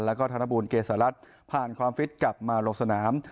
แล้วก็ธนบูลเกษรัตน์ผ่านความฟิตกลับมาลงสนาม